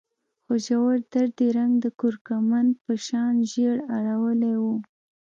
خو ژور درد يې رنګ د کورکمند په شان ژېړ اړولی و.